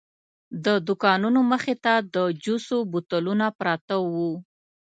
د دوکانونو مخې ته د جوسو بوتلونه پراته وو.